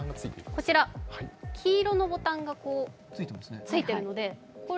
黄色のボタンが付いているので。